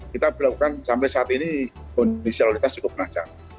kita berlakukan sampai saat ini kondisionalitas cukup menajar